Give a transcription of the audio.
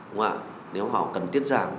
nếu họ cần tiết giảm